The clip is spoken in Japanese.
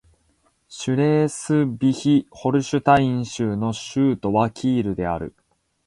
シュレースヴィヒ＝ホルシュタイン州の州都はキールである